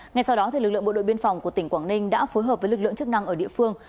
ngay sau đó lực lượng bộ đội biên phòng của tỉnh quảng ninh đã phối hợp với lực lượng chức năng ở địa phương